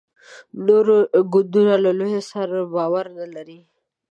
نور ګوندونه له لویه سره باور نه لري.